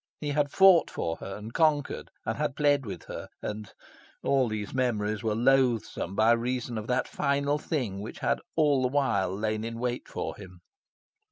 He had fought for her, and conquered; and had pled with her, and all these memories were loathsome by reason of that final thing which had all the while lain in wait for him.